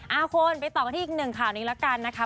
อ่าคนไปต่อกันที่อีกหนึ่งค่ะวันนี้ละกันนะคะ